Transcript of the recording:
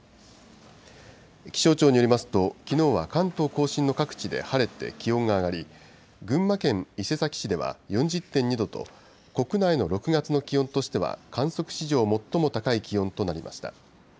気象庁によりますと、きのうは関東甲信の各地で晴れて気温が上がり、群馬県伊勢崎市では４０．２度と、国内の６月の気温としては観測史上最も高い気温となりました。